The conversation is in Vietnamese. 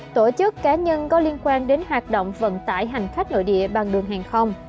tổ chức cá nhân có liên quan đến hoạt động vận tải hành khách nội địa bằng đường hàng không